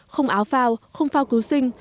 không áo phao không phao cứu sinh